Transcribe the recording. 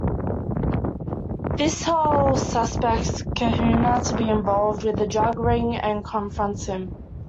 Vishal suspects Khanna to be involved in a drug ring and confronts him.